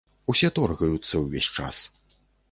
Усе торгаюцца ўвесь час.